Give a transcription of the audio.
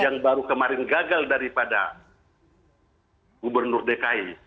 yang baru kemarin gagal daripada gubernur dki